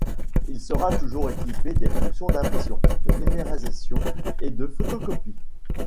Il sera toujours équipé des fonctions d'impression, de numérisation et de photocopie.